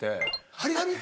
張り紙？